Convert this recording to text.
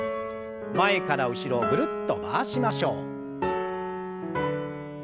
前から後ろぐるっと回しましょう。